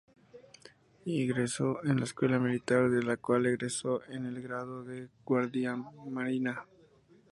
Ingresó en la Escuela Militar, de la cual egresó con el grado de "guardiamarina".